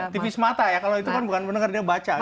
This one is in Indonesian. tipis mata ya kalau itu kan bukan mendengar dia baca